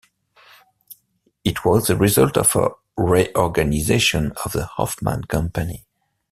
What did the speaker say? It was the result of a reorganization of the Hoffman Company.